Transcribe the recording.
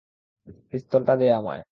পিস্তলটা দে আমায়!